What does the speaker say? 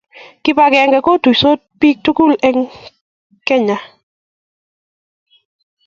Kibakenge kotuitos pik tukul en Kenya